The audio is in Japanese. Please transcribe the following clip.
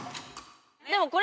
でもこれ。